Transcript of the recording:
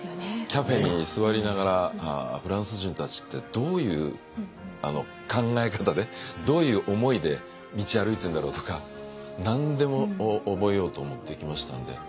カフェに座りながら「フランス人たちってどういう考え方でどういう思いで道歩いてんだろう」とか何でも覚えようと思って行きましたんで。